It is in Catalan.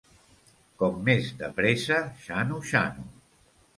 Com més de pressa, xano-xano.